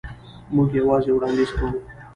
موږ یوازې وړاندیز کوو.